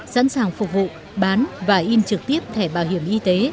sẵn sàng phục vụ bán và in trực tiếp thẻ bảo hiểm y tế